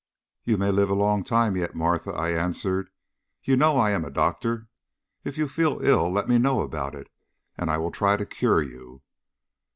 "You may live a long time yet, Martha," I answered. "You know I am a doctor. If you feel ill let me know about it, and I will try to cure you."